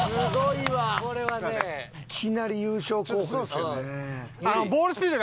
いきなり優勝候補ですよね。